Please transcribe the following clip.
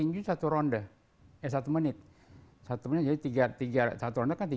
dari satu petinjua menjadi satu peria binrain